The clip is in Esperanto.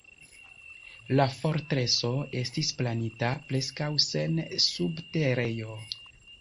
La fortreso estis planita preskaŭ sen subterejo.